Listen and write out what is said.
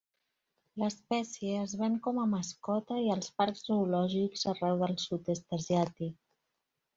L'espècie es ven com a mascota i als parcs zoològics arreu del sud-est asiàtic.